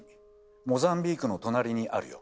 モザンビークの隣にあるよ。